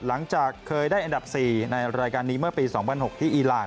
หลังจากเคยได้อันดับ๔ในรายการนี้เมื่อปี๒๐๐๖ที่อีราน